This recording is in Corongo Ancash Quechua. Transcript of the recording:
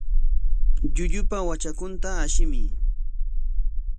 Llullupa watrakunta ashimuy.